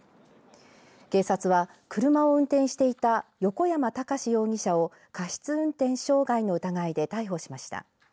警察は、車を運転していた横山孝容疑者を過失運転傷害の疑いで逮捕しました。